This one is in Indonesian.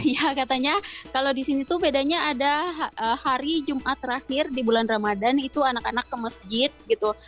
ya katanya kalau di sini tuh bedanya ada hari jumat terakhir di bulan ramadan itu anak anak ke masjid gitu